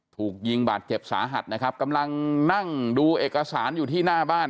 ถูกยิงบาดเจ็บสาหัสนะครับกำลังนั่งดูเอกสารอยู่ที่หน้าบ้าน